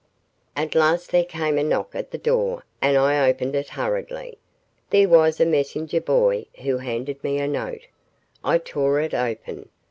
At last there came a knock at the door and I opened it hurriedly. There was a messenger boy who handed me a note. I tore it open.